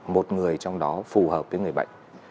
một người trong đó phù hợp với người bệnh